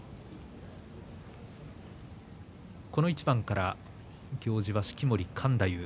この一番から行司は式守勘太夫。